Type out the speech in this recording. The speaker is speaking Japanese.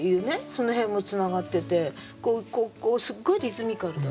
その辺もつながっててすっごいリズミカルだった。